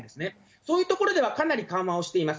そういう所ではかなり緩和をしています。